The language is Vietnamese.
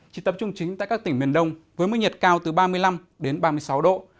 chỉ tập trung chính tại các tỉnh miền đông với mức nhiệt cao từ ba mươi năm đến ba mươi sáu độ